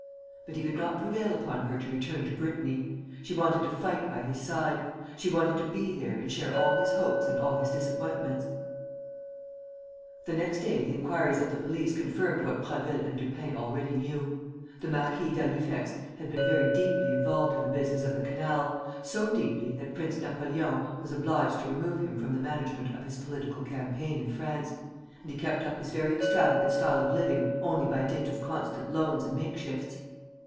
But he could not prevail upon her to return to Brittany. She wanted to fight by his side. She wanted to be there and share all his hopes and all his disappointments. The next day the inquiries of the police confirmed what Prasville and Lupin already knew. The Marquis d'Albufex had been very deeply involved in the business of the canal, so deeply that Prince Napoleon was obliged to remove him from the management of his political campaign in France; and he kept up his very extravagant style of living only by dint of constant loans and makeshifts.